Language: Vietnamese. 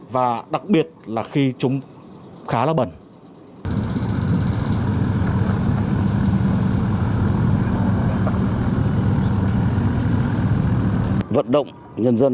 và đặc biệt là khi chúng khá là bẩn